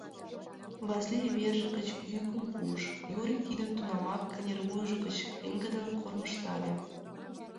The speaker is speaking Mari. — Васлий верже гыч йӱкым пуыш, Юрик тудым тунамак кынервуйжо гыч пеҥгыдын кормыжтале.